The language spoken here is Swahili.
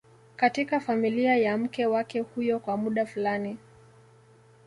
katika familia ya mke wake huyo kwa muda fulani